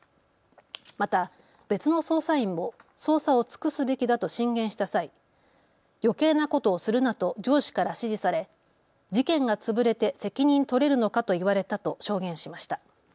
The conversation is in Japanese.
また別の捜査員も捜査を尽くすべきだと進言した際、余計なことをするなと上司から指示され事件が潰れて責任取れるのかと言われたと証言しました。